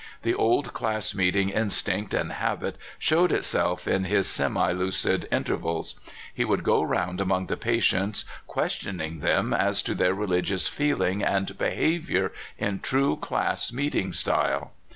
The old class meeting instinct and habit showed itself in his semilucid intervals. He would go round among the patients questioning them as to their re ligious feeling and behavior in true class meeting style.